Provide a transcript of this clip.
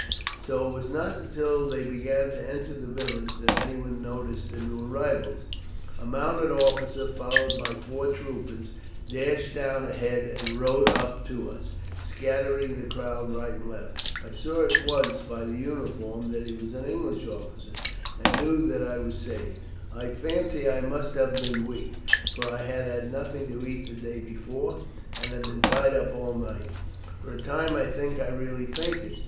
So it was not until they began to enter the village that anyone noticed the new arrivals. A mounted officer, followed by four troopers, dashed down ahead and rode up to us, scattering the crowd right and left. I saw at once by his uniform that he was an English officer, and knew that I was saved. I fancy I must have been weak, for I had had nothing to eat the day before, and had been tied up all night. For a time I think I really fainted.